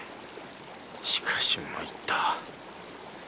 しかしまいった